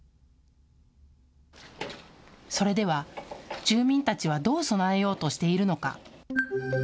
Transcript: それでは、住民たちはどう備えようとしているのか。